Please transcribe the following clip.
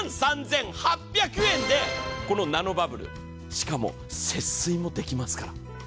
１万３８００円でこのナノバブル、しかも節水もできますから。